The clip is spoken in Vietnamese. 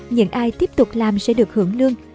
những ai tiếp tục làm sẽ được hưởng lương